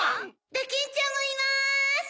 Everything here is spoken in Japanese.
・ドキンちゃんもいます！